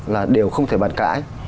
là điều không thể bàn cãi